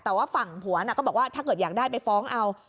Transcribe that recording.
แต่ว่าฝั่งผัวน่ะก็บอกว่าถ้าเกิดอยากได้ไปฟ้องเอา